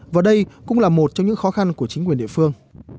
và đây cũng là một trong những khó khăn của chính quyền địa phương